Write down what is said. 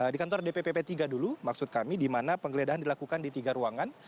di kantor dpp p tiga dulu maksud kami di mana penggeledahan dilakukan di tiga ruangan